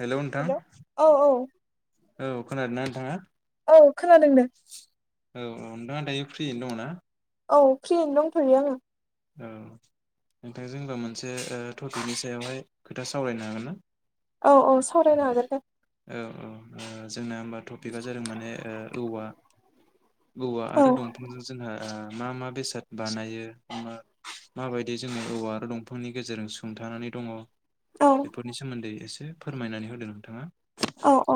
हेल' नोंथां हेलौ औ औ औ खोनादोंना नोंथांङा? औ खोनादोंनो औ औ नोंथांङा दायो फ्रियैनो दंङना औ फ्रियैनो दंथयो आंङो औ नोंथां जोंबो मोनसे टपिकनि सायावहाय खोथा सावरायनो हागोन ना? औ औ सावरायनो हागोन दे औ औ ओ जोंना होमबा टपिकआ जादों माने ओ औवा औवा औ आरो दंफांजों जोंहा मा मा बेसाद बानायो? माबायदि जोंङो औवा आरो दंफांनि गेजेरजों सुंथानानै दंङ। औ बेफोरनि सोमोन्दै एसे फोरमायनानै होदो नोंथांङा। औ औ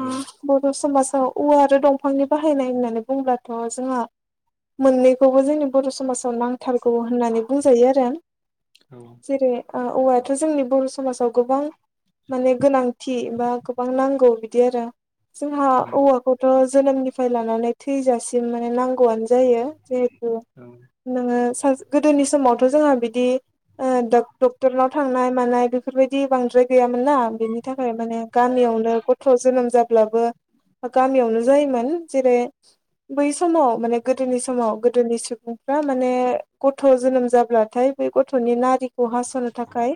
उम बर' समाजाव औवा आरो दंफांनि बाहायनाय होननानै बुंब्लाथ' जोंहा मोननैखौबो जोंनि बर' समाजाव नांगौ। थारगौ होननानै बुंजायो आरो आं औ जेरै ओ औवायाथ' जोंनि बर' समाजाव गोबां माने गोनांथि। बा गोबां नांगौ बिदि आरो जोंहा उम औवाखौथ' जोनोमनिफ्राय लानानै थैजासिम बि माने नांगौआनो जायो जिहेथु औ नोंङो गोदोनि समावथ' जोंहा बिदि ओ डक डक्टरनाव थांनाय मानाय बेफोर बायदि बांद्राय गैयामोन ना बेनि थाखाय माने। गामियावनो गथ' जोनोम जाब्लाबो गामियावनो जायोमोन जेरै बै समाव माने गोदोनि समाव गोदोनि सुबुंफ्रा माने गथ' जोनोम जाब्लाथाय। बे गथ'नि नारि खौ हास'नो थाखाय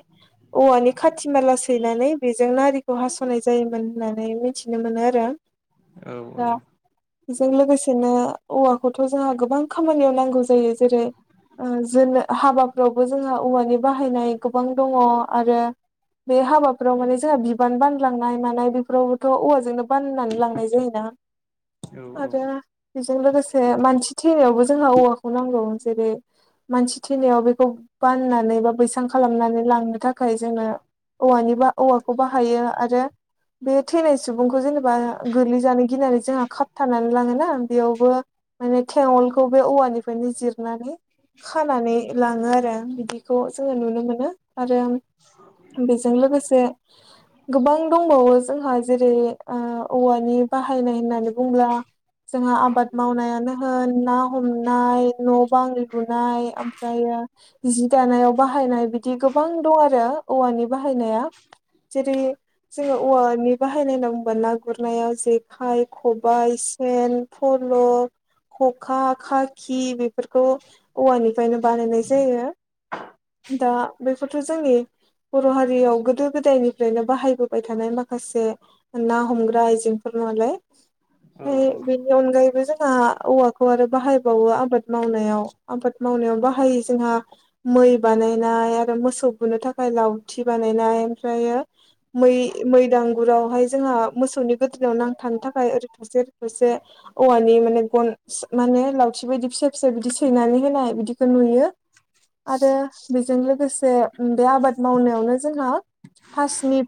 औवानि खाथि माला सैनानै बेजों नारिखौ हास' मोन होननानै मिथिनो मोनो आरो औ दा बेजों लोगोसेनो औवाखौथ' जोंहा गोबां खामानियाव नांगौ जायो जेरै ओ जोनो हाबाफ्रावबो जोंहा औवानि बाहायनाय गोबां दंङ आरो। बे हाबाफोराव माने जोंहा बिबान बानलांनाय मानाय बेफोरावबोथ' औवाजोंनो बाननानै लांनाय जायोना औ आरो बेजों लोगोसे मानसि थैनायावबो जोंहा औवाखौ नांगौ जेरै मानसि थैनायाव बेखौ बाननानै बा बैसां खालामनानै लांनो थाखाय जोङो औवानि बा औवाखौ बाहायो। आरो बे थैनाय सुबुंखौ जेनेबा गोगलै जानो गिनानै जोंहा खाबथानानै लाङोना। बेयावबो माने थेवलखौ बे औवानिफ्रायनो जिरनानै खानानै लाङो आरो बिदिखौ जोङो नुनो मोनो आरो। बेजों लोगोसे गोबां दंबावो जोंहा जेरै ओ औवानि बाहायनाय होननानै बुंब्ला जोंहा आबाद मावनायानो होन ना हमनाय। न' बां लुनाय ओमफ्राय। जि दानायाव बाहायनाय बिदि गोबां दं आरो औवानि बाहायनाया जेरै जोङो औवानि बाहायनाय होनना बुब्ला गुरनायाव जेखाइ, खबाइ, सेन फल। खखा खाखि बेफोरखौ औवानिफ्रायनो बानायनाय जायो। दा बेखौथ' जोंनि बर' हारियाव गोदो गोदायनिफ्रायनो बाहायबोबाय थानाय माखासे ना हमग्रा आइजें। औ बेनि अनगायैबो जोंहा औवाखौ आरो बाहायो आबाद मावनायाव आबाद मावनायाव बाहाय जोंहा मै बानायनाय आरो मोसौ मोसौ बुनो थाखाय लावथि बानायनाय ओमफ्रायो मै मै दांगुरावहाय जोंहा मोसौनि गोदाव नांथानो थाखाय ओरै फारसे ओरै फारसे औवानि माने गन माने लावथि बायदि फिसा फिसा बिदि सैनानै होनाय बिदिखौ नुयो आरो जों लोगोसे बे आबाद मावनायनो जोंहा हासिनि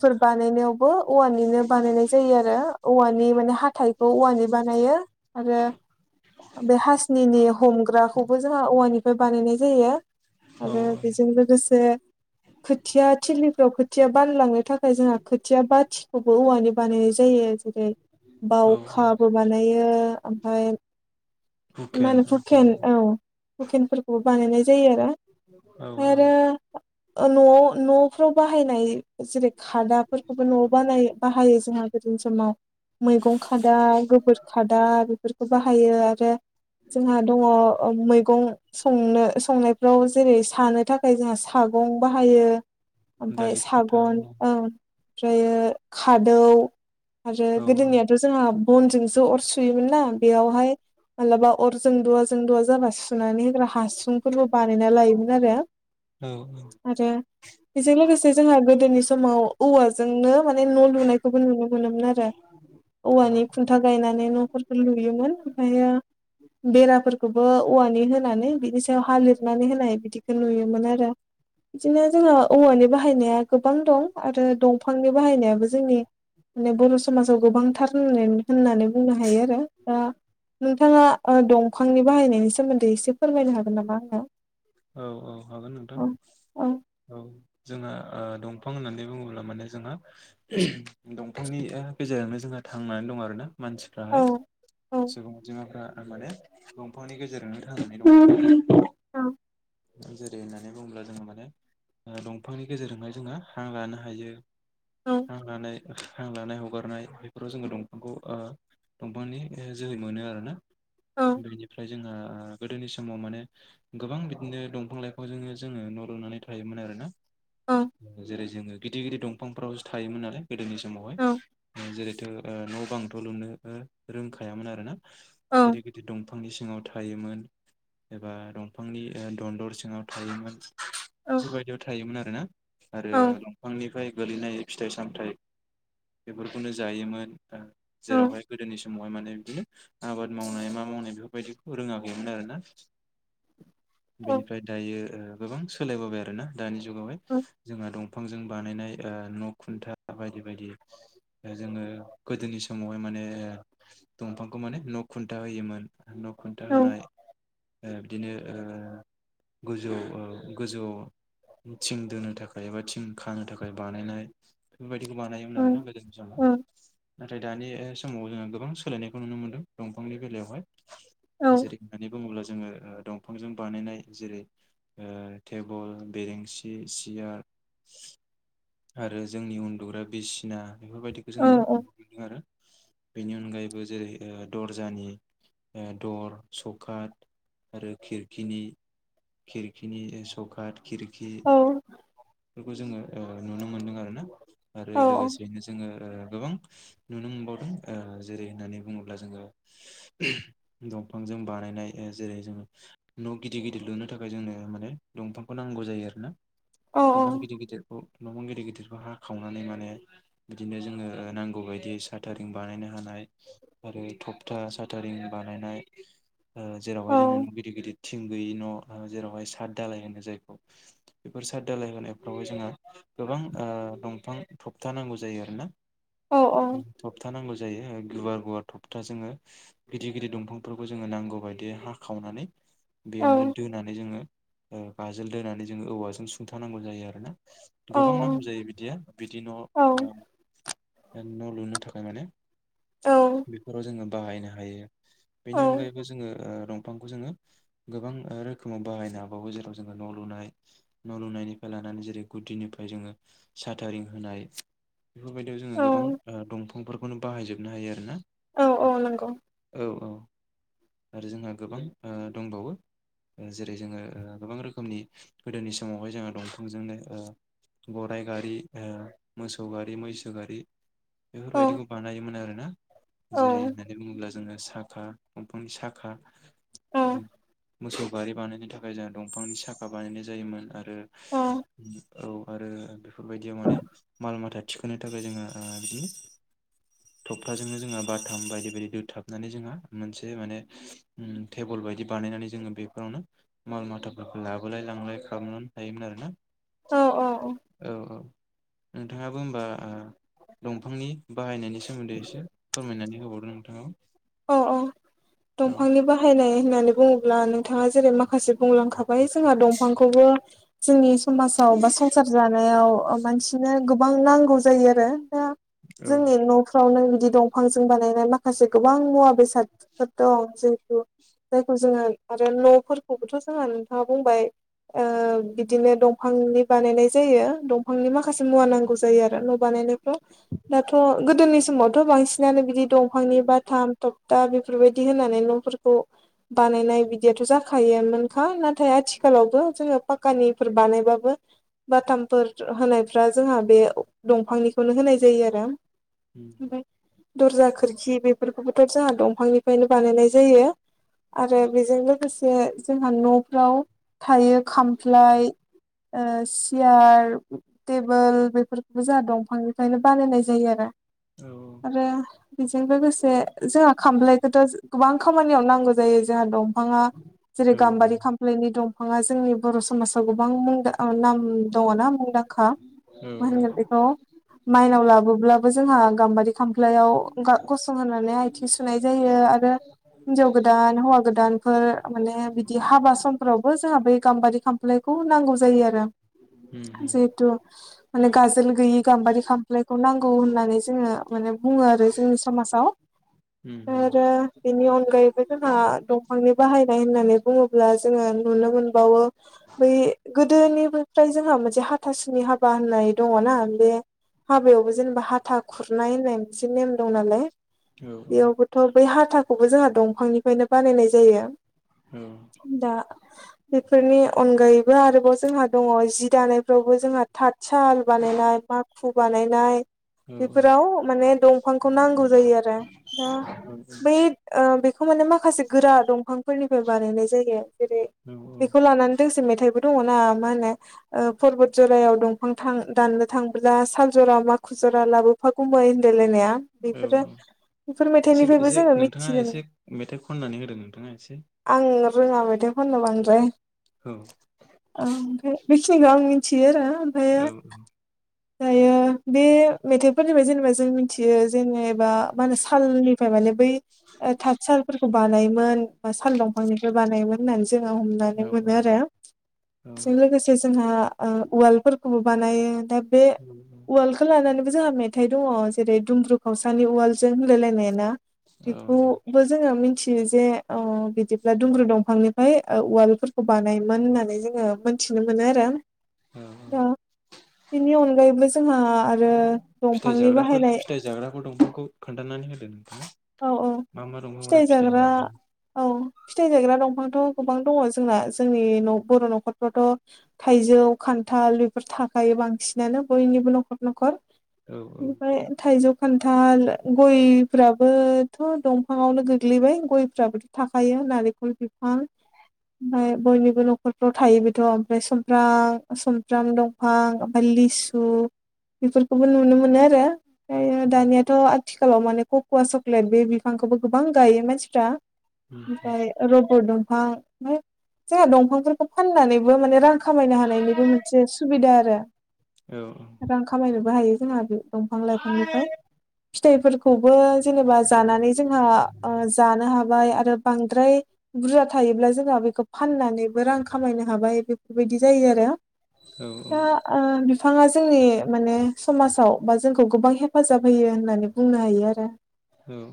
जायो आरो औवानि माने हाथाइखौ औवानै बानायो आरो बे हासिशनिनि हमग्राखौबो जोंहा औवानिफ्राय बानायनाय जायो। औ आरो बेजों लोगोसे खोथिया थिलिफ्राव खोथिया बानलांनो थाख ओमफ्राय जोंहा खोथिया बाथिखौबो औवानि बानायनाय जायो जेरै औ बावखाबो बानायो ओमफ्राय मा होनो हुकेन औ हुकेनफोरखौबो बानायनाय जायो आरो। ओमफाय औ आरो ओ न'आव न'फ्राव बाहायनाय जेरै - खादाफोरखौबो न'आव बानाय बाहायो जोंहा गोदोनि समाव। मैगं खादा गोबोर खादा बेफोरखौ बाहायो आरो जोंहा दङ मैगं संनो संनायफ्राव जेरै सानो थाखाय जोंहा साग गं बाहायो ओमफ्राय दालि खाथा सागं औ ओमफ्रायो खादौ आरो औ गोदोनियाथ' जोंहा बनजोंसो सो अर सुयोमोन ना बेयावहाय मालाबा अर जोंदवा जोंदुवा जाबा सुनानै होग्रा हासुं फोरबो बानायना लायोमोन आरो। औ औ। आरो बेजों लोगोसे जोंहा गोदोनि समाव औवाजोंनो माने न' लुनायखौबो नुनो मोनोमोन आरो औ औवानि खुन्था गायनानै न'फोरखौ लुयोमोन ओमफ्रायो बेराफोरखौबो औवानि होनानै बिनि सायाव हा लिरनानै होनाय बिदिखौ नुयोमोन आरो। बिदिनो जोङो औवानि बाहायनाया गोबां दं आरो दंफांनि बाहायनायाबो जोंनि माने बर' समाजाव गोबांथार होन होननानै बुंनो हायो आरो दा नोंथाङा दंफांनि ओ बाहायनायनि सोमोन्दै एसे फोरमायनो हागोन नामा आंनो? औ औ हागोन नोंथां औ औ औ। जोंहा ओ दंफां होननानै बुङोब्ला माने जोंहा दं फांनि गेजेरजोंनो जोंहा थांनानै दं आरोना औ मानसिफ्राहाय सुबुं अनजिमाफ्रा आ माने दंफांनि गेजेरावनो थांनानै दं। औ। जेरै होननानै बुङोब्ला जोङो माने ओ दंफांनि गेजेरजोंहाय जोङो हां लानो हायो। औ हां लानाय हां लानाय हगारनाय बेफोराव जोङो दंफांखौ ओ दंफांनि जोहै मोनो आरोना। औ बेनिफ्राय जोंहा गोदोनि समाव माने गोबां बिदिनो दंफां लाइफांजोंनो जोङो न' लुनानै थायोमोन आरो ना औ जेरै जोङो गिदिर गिदिर दंफांफोरावसो थायोमोन नालाय गोदोनि औ समावहाय जेरै ओ न' बांथ' लुनो रोंखायामोन आरोना, औ गिदिर गिदिर दं फांनि सिङाव थायोमोन एबा दंफांनि ओ दन्दर सिङाव थायोमोन। औ बेफोरबायदियाव थायोमोन आरोना आरो औ दंफांनिफ्राय गोलैनाय फिथाइ सामथाइ बेफोरखौनो जायोमोन औ जेरावहाय गोदोनि समावहाय माने बिदिनो आबाद मावनाय मा मावनाय बेफोरबायदिखौ रोङाखैमोन आरो ना। औ बेनिफ्राय दायो ओ गोबां सोलायबोबाय आरोना दानि जुगावहाय जोंहा दंफांजों बानायनाय ओ न' खुन्था बायदि बायदि जोङो गोदोनि समावहाय माने दंफांखौ माने न' खुन्था होयोमोन। न' खुन्था औ होनाय ओ बिदिनो ओ गोजौ ओ गोजौ थिं दोननो थाखाय एबा थिं खानो थाखाय बानायनाय बेफोरबायदि बानायोमोन औ आरोना गोदोनि समाव, औ नाथाय दानि समाव जोङो गोबां सोलायनायखौ नुनो मोनदों दंफांनि बेलायावहाय औ जेरै होननानै बुङोब्ला जोङो ओ दंफांजों बानायनाय जेरै ओ टेबोल, बेरेन्सि, सियार आरो जोंनि उन्दुग्रा बिसिना बेफोरबायदिखौ औ जोङो नुनो मोनदों आरो। बेनि अनगायैबो जेरै ओ दर्जानि ओ दर सौकाट आरो खिरखिनि खिरखिनि सौकाद खिरखि औ फोरखौ जोङो ओ नुनो मोनदों आरो ना, आरो लोगोसेयैनो जोङो ओ गोबां नुनो मोनबावदों ओ जेरै होननानै बुङोब्ला जोङो दंफांजों जों बानायनाय जेरै जों न' गिदिर गिदिर लुनो थाखाय जोंनो माने दंफांखौ नांगौ जायो आरो ना। औ दंफां गिदिर गिदिरखौ दंफां गिदिर गिदिरखौ हाखावनानै माने बिदिनो जोङो नांगौ बायदियै साटारिं बानायनो हानाय आरो थखथा साटारिं बानायनाय ओ जेरावहाय जोंनो न' गिदिर गिदिर थिं गैयि न' जेरावहाय साथ धालाय होनो जायखौ बेफोर साथ धालाय होनायफ्रावहाय जोंहा गोबां दंफां थखथा नांगौ जायो आरोना। थखथा नांगौ जायो गुवार गुवार थखथा। जोङो गिदिर गिदिर दंफांफोरखौ जोङो नांगौ बायदियै हाखावनानै बेयावनो दोनानै जोङो गाजोल दोनानै जोङो औवाजों सुंथानांगौ जायो आरोना। गोबां नांगौ जायो बिदिया बिदि न' न' लुनो थाखाय माने बेफोराव जोङो बाहायनो हायो। बेनि अनगायैबो जोङो ओ दंफांखौ जोङो गोबां रोखोमाव बाहायनो हाबावो जेराव जोङो न' लुनाय न' लुनायनिफ्राय लानानै जेरै गुदिनिफाय जोङो साटारिं होनाय बेफोरबायदियाव औ जोङो गोबां ओ दंफांफोरखौनो बाहायजोबनो हायो आरो ना। औ औ नंगौ। औ औ आरो जोंहा गोबां ओ दंबावो। जेरै जोङो गोबां रोखोमनि गोदोनि समावहाय जोंहा दंफांजोंनो ओ गराइ गारि, ओ मोसौ गारि, मैसो गारि औ बेफोरबायदिखौ बानायोमोन आरोना। औ जेरै होननानै बुङोब्ला जोङो साखा दंफांनि साखा औ मोसौ गारि बानायनो थाखाय जोंहा दंफांनि साखा बानायनाय जायोमोन आरो औ औ आरो बेफोरबायदियाव माने माल माथा थिखोनो थाखाय जोङो ओ बिदिनो थख्थाजोंनो जोङा बाथाम बायदि बायदि दोथाबनानै जोंहा मोनसे माने उम थेबोल बायदि बानायनानै जोङो बेफोरावनो माल-माथाफोरखौ लाबोलाय लांलाय खालामोमोन। थायोमोन आरोना औ औ नोंथाङाबो होमबा ओ दंफांनि बाहायनायनि सोमोन्दै एसे फोरमायनानै होबावदो नोंथाङा। औ औ औ दंफांनि बाहायनाय होननानै बुङोब्ला नोंथाङा जेरै माखासे बुंलांखा बाय जोंहा दंफांखौबो जोंनि समाजाव बा संसार जानायाव मानसिनो गोबां नांगौ जायो आरो दा जोंनि न'फ्राव नों बिदि दंफांजों बानायनाय माखासे गोबां मुवा-बेसादफोर दं जिहेथु जायखौ जोङो आरो न'फोरखौबोथ' जोंहा नोंथाङा बुंबाय ओ बिदिनो दंफांनि बानायनाय जायो दंफांनि माखासे मुवा नांगौ जायो आरो न' बानायनाय दाथ' गोदोनि समावथ' बांसिनानो बिदि दंफांनि बा थख्था बेफोरबायदि होनानै न'फोरखौ बानायनाय बिदियाथ' जा‌ खायोयामोनोखा नाथाय आथि खालावबो जोङो फाक्कानिफोर बानायबाबो बाथामफोर होनायफ्रा जोंहा बे दंफांनिखौनो होनाय जायो आरो उम दरजा-खोरखि बेफोरखौबोथ' जोंहा दंफांनिफ्रायनो बानायनाय जायो। आरो बेजों लोगोसे जोंहा न'फ्राव थायो खामफ्लाय, ओ सियार, टेबोल बेफोरखौबो जाहा दंफांनिफ्रायनो बानायनाय जायो आरो औ आरो बेजों लोगोसे जोहा खामफ्लायखौथ' गोबां खामानियाव नांगौ जायो जोंहा दं फाङा जेरै- औ गाम्बारि खामफ्लायनि दंफाङा जोंनि बर' समाज आव गोबां मुंदां ओ नाम दङना मुंदांखा। औ मा होनगोन बेखौ माइनाव लाबोब्लाबो जोंहा गाम्बारि खामफ्लायाव गा- गसं होनानै आथिं सुनाय जायो आरो हिनजाव गोदान हौवा गोदानफोर माने बिदि हाबा समफ्रावबो जोंहा बै गाम्बारि खामफ्लायखौ नांगौ जायो आरो। उम उम जिहेथु माने गाजोल गैयि गाम्बारि खामफ्लायखौ नांगौ होननानै जोङो माने बुङो आरो जोंनि समाजाव। उम औ ओमफाय आरो बेनि अनगायैबो जोंहा दंफांनि बाहायनाय होननानै बुङोब्ला जोङो नुनो नुनो मोनबावो बै गोदोनिबोफ्राय जोंहा मोनसे हाथासुनि हाब बा होननाय दङना बे हाबायावबो जेनेबा हाथा खुरनाय होननाय मोनसे नेम दं नालाय औ बेयावबोथ' बै हाथाखौबो जोंहा दंफांनिफ्रायनो बानायनाय जायो औ दा बेफोरनि अनगायैबो आरोबाव जोंहा दङ जि दानायफ्रावबो जोंहा थातसाल बानायनाय माखु बानायनाय बेफोराव माने दंफांखौ नांगौ जायो आरो दा बै ओ बेखौ माने माखासे गोरा दंफां फोरनिफ्राय बानायनाय जायो जेरै औ बेखौ लानानै दोंसे मेथाइबो दङना मा होनो ओ पर्बत जरायाव दफां थां दाननो थांबोला साल जरा माखु जरा लाबोफा गुमै होनलायलायनाया औ बेफोरो औ बेफोर एसे मेथाइनिफ्रायबो एसे जोङो नोंथाङा मिथिनो एसे मोनो मेथाइ खननानै होदो नोंथाङा एसे ङा रोङा मेथाइ खननो बांद्राय औ औ ओमफ्राय बिखिनिखौ आं मिनथियो रा औ दायो बे मेथाइफोरनिफ्राय जेनेबा जों मिथियो जेनेबा मा होनो सालनिफ्राय माने बै ओ थाथ सालफोरखौ बानायोमोन बा साल दंफांनिफ्राय बानायोमोन होननानै जोंहा हमनानै औ मोनो आरो औ बेजों लोगोसे जोंहा ओ उवालफोरखौबो बानायो दा बे औ उवालखौ लानानैबो जोंहा मेथाइ दङ जेरै दुमब्रु खावसानि उवाल जों होनलायलायनाया ना औ बेखौबो जोङो मिन थियो जे ओ बिदिब्ला दुंब्रु दंफांनिफ्राय ओ उवालफोरखौ बानायोमोन होननानै जोङो मिनथिनो मोनो आरो औ दा बेनि अनगायैबो ज जोंहा आरो फिथाइ दंफांनि जाग्राफोर बाहायनाय फिथाइ जाग्राफोर दंफांखौ खोन्थानानै होदो औ औ मा मा दंफांफोरा फिथाइ [inaudible] औ फिथाइ थायग्रा दंफांथ' गोबां दङ जोंना जोंनि बर' न'खरफ्रावथ' थायजौ जौ खान्थाल बेफोर थाखायो बांसिनानो बयनिबो न'खर न'खर औ औ ओमफाय थाइजौ खान्थाल गयफ्राबोथ' दंफाङावनो गोग्लैबाय गयफ्राबोथ' थाखायो नारेंखल बिफां [inaudible] ओमफ्राय बयनिबो न'खरफ्राव थायो बेथ' ओमफ्राय सुमफ्रां सुमफ्राम दंफां ओमफ्राय लिसु बेफोरखौबो नुनो मोनो आरो ओमफ्राय दानियाथ' आथिखालाव माने कक'वा चक्लेट बे बिफांखौबो गोबां गायो मानसिफ्रा। उम ओमफाय रबर दंफां ओमफाय जोंहा दंफांफोरखौ फाननानैबो माने रां खामायनो हानायनिबो उम मोनसे सुबिदा आरो औ रां खामायनोबो हायो जोंहा बेफ दंफां लाइफांनिफ्राय फिथाइफोरखौबो जेनेबा जानानै जोंहा ओ जानो हाबाय आरो बांद्राय बुरजा थायोब्ला जोंहा बेखौ फाननानैबो रां खामायनो हाबाय बेफोरबायदि जायो आरो औ दा ओ बिफाङा जोंनि माने समाजाव बा जोंखौ गोबां हेफाजाब होयो होननानै बुंनो हायो आरो औ